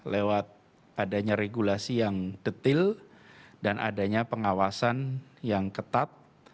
lewat adanya regulasi yang detil dan adanya pengawasan yang ketat